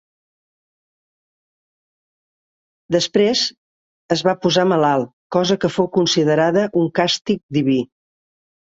Després es va posar malalt, cosa que fou considerada un càstig diví.